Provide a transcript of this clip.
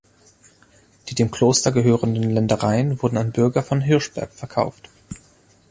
Die dem Kloster gehörenden Ländereien wurden an Bürger von Hirschberg verkauft.